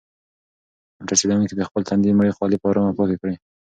موټر چلونکي د خپل تندي مړې خولې په ارامه پاکې کړې.